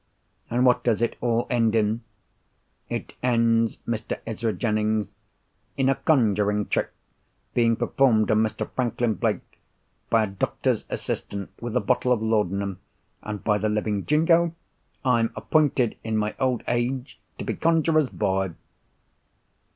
And what does it all end in? It ends, Mr. Ezra Jennings, in a conjuring trick being performed on Mr. Franklin Blake, by a doctor's assistant with a bottle of laudanum—and by the living jingo, I'm appointed, in my old age, to be conjurer's boy!"